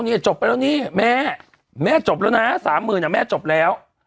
เนี่ยจบไปแล้วนี่แม่แม่จบแล้วนะสามหมื่นแม่จบแล้ว